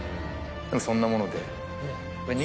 でもそんなもので。